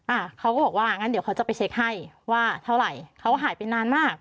อ่าเขาก็บอกว่างั้นเดี๋ยวเขาจะไปเช็คให้ว่าเท่าไหร่เขาหายไปนานมาก